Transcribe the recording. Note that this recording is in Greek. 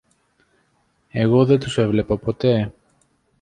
Εγώ δεν τους έβλεπα ποτέ.